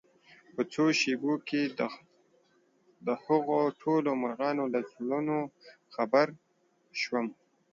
په څو شېبو کې دهغو ټولو مرغانو له زړونو خبر شوم